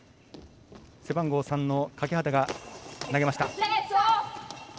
背番号３の欠端が投げました。